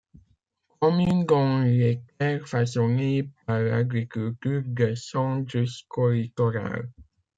Commune dont les terres façonnées par l'agriculture descendent jusqu'au littoral.